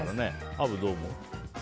アブ、どう思う？